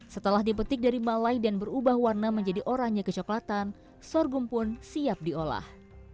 setelah dipetik dari malai dan berubah warna menjadi oranye kecoklatan sorghum pun siap diolah